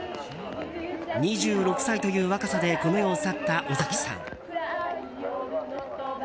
２６歳という若さでこの世を去った尾崎さん。